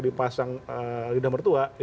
dipasang lidah mertua itu bisa menjadi